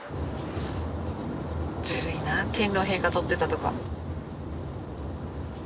ずるいなあ天皇陛下撮ってたとか。